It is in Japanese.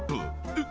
えっ！